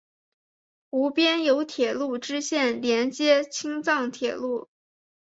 湖边有铁路支线连接青藏铁路。